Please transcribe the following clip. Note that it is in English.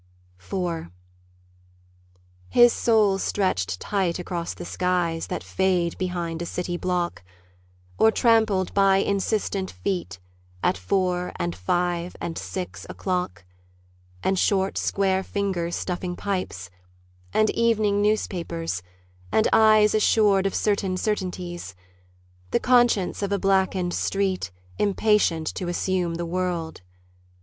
IV His soul stretched tight across the skies That fade behind a city block, Or trampled by insistent feet At four and five and six o'clock; And short square fingers stuffing pipes, And evening newspapers, and eyes Assured of certain certainties, The conscience of a blackened street Impatient to assume the world.